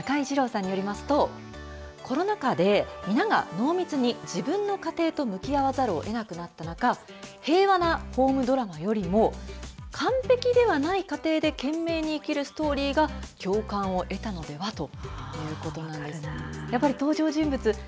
社会学者の中井治郎さんによりますとコロナ禍で皆が濃密に自分の家庭と向き合わざるをえなくなった中平和なホームドラマよりも完璧ではない家庭で懸命に生きるストーリーが共感を得たのではということなんです。